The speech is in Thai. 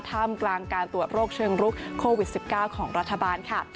ท่ามกลางการตรวจโรคเชิงรุกโควิด๑๙ของรัฐบาลค่ะ